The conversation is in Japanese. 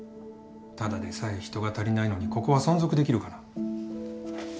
ただでさえ人が足りないのにここは存続できるかな？